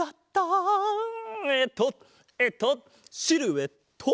えっとえっとシルエット！